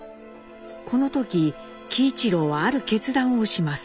この時喜一郎はある決断をします。